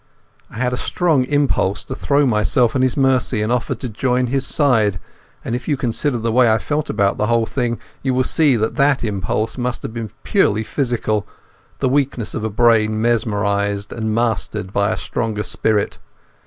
I had a strong impulse to throw myself on his mercy and offer to join his side, and if you consider the way I felt about the whole thing you will see that that impulse must have been purely physical, the weakness of a brain mesmerized and mastered by a stronger spirit.